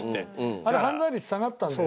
あれ犯罪率下がったんだよね